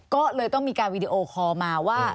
ก็เลยต้องมีการวีดีโอคอลมาว่า